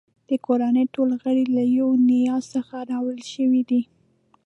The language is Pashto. د کورنۍ ټول غړي له یوې نیا څخه راولاړ شوي دي.